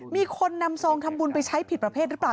มีคนนำซองทำบุญไปใช้ผิดประเภทหรือเปล่า